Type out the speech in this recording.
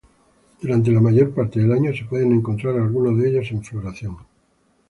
Durante la mayor parte del año se puede encontrar alguno de ellos en floración.